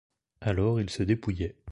Alors il se dépouillait.